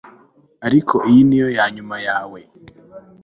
Ariko iyi niyo yanyuma yawe